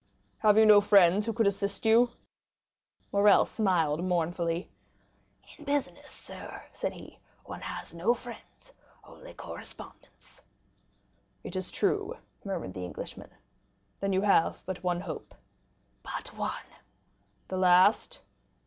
"Have you no friends who could assist you?" Morrel smiled mournfully. "In business, sir," said he, "one has no friends, only correspondents." "It is true," murmured the Englishman; "then you have but one hope." "But one." "The last?"